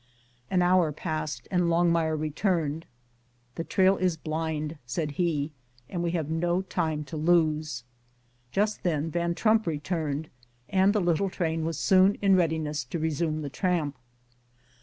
An hour passed, and Longmire returned. "The trail is blind," said he, "and we have no time to lose." Just then Van Trump returned; and the little train was soon in readiness to resume the tramp.